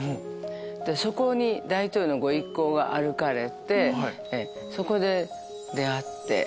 そこに大統領のご一行が歩かれてそこで出会って。